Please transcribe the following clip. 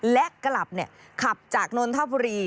และกลับขับจากนนทบุรี